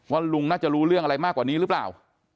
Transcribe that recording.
ลุงน่าจะรู้เรื่องอะไรมากกว่านี้หรือเปล่า